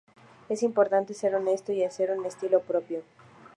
Es importante ser honesto y hacer un estilo propio".